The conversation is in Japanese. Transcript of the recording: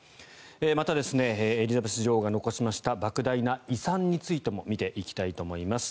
またエリザベス女王が残しましたばく大な遺産についても見ていきたいと思います。